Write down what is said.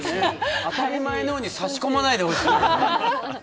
当たり前のように挿し込まないでほしい。